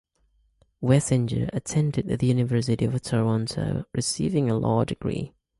Wessenger attended the University of Toronto, receiving a law degree.